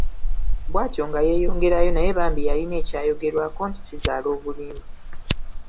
Bw'atyo nga yeeyongerayo naye bambi yalina ekyayogerwako nti kizaala obulimba.